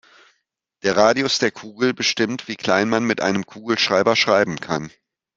Der Radius der Kugel bestimmt, wie klein man mit einem Kugelschreiber schreiben kann.